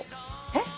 えっ？